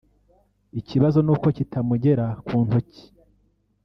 ikibazo nuko kitamugera mu ntoki